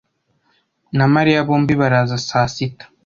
na Mariya bombi baraza saa sita.